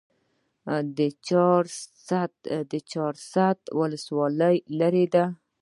د چهارسده ولسوالۍ لیرې ده